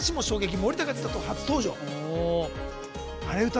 森高千里、初登場。